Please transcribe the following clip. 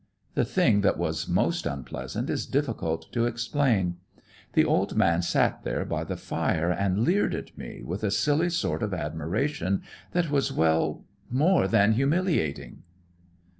"The thing that was most unpleasant is difficult to explain. The old man sat there by the fire and leered at me with a silly sort of admiration that was well, more than humiliating.